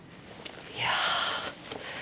いや。